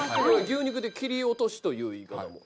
牛肉で切り落としという言い方も。